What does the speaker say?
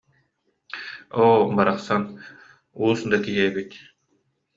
Оо, барахсан, уус да киһи эбит